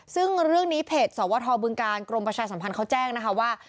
ซึ่งเรื่องนี้เพจสวทบึงการกรมประชาสัมพันธ์เขาแจ้งนะคะว่า